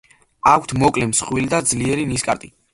აქვთ მოკლე, მსხვილი და ძლიერი ნისკარტი.